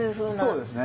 そうですね。